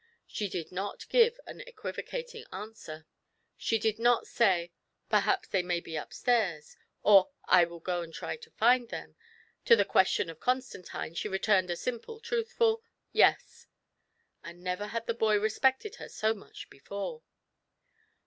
She did not give an equivocating answer ; TRIA.LS AND TROUBLES. 75 she did not say, Perhaps they may be up stairs," or, " I will go and try to find them ;" to the question of Constantine she returned a simple truthful " Yes," and never had the boy respected her so much before.